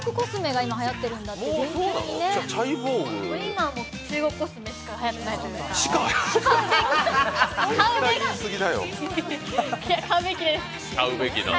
今、中国コスメしかはやってないというか。